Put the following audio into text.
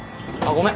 ごめん。